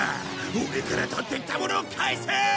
オレから取ってったもの返せ！